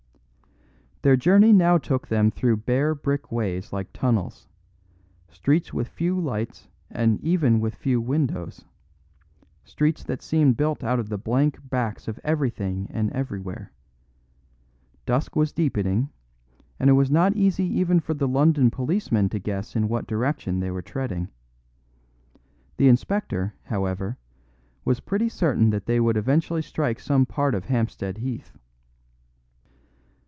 Their journey now took them through bare brick ways like tunnels; streets with few lights and even with few windows; streets that seemed built out of the blank backs of everything and everywhere. Dusk was deepening, and it was not easy even for the London policemen to guess in what exact direction they were treading. The inspector, however, was pretty certain that they would eventually strike some part of Hampstead Heath.